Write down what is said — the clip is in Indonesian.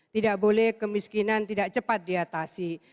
tidak boleh kemiskinan tidak cepat diatasi